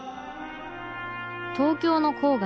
東京の郊外